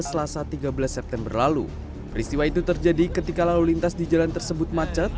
selasa tiga belas september lalu peristiwa itu terjadi ketika lalu lintas di jalan tersebut macet